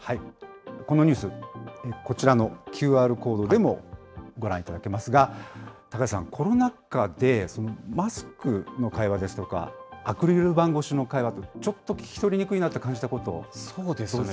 このニュース、こちらのＱＲコードでもご覧いただけますが、高瀬さん、コロナ禍でマスクの会話ですとか、アクリル板越しの会話ってちょっと聞き取りにくいなと感じたこと、そうですね。